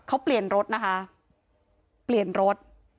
เขาเปลี่ยนรถนะคะเปลี่ยนรถ